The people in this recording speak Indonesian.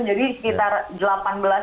jadi sekitar delapan jam